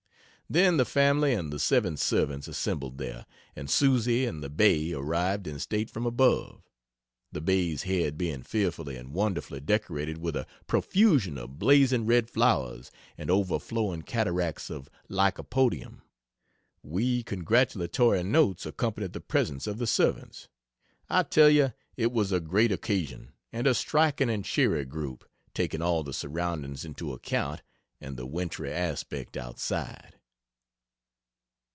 Then the family and the seven servants assembled there, and Susie and the "Bay" arrived in state from above, the Bay's head being fearfully and wonderfully decorated with a profusion of blazing red flowers and overflowing cataracts of lycopodium. Wee congratulatory notes accompanied the presents of the servants. I tell you it was a great occasion and a striking and cheery group, taking all the surroundings into account and the wintry aspect outside.